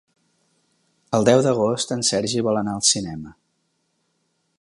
El deu d'agost en Sergi vol anar al cinema.